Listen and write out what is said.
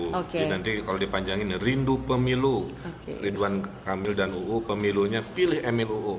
nanti kalau dipanjangin rindu pemilu ridwan kamil dan uu pemilunya pilih emil uu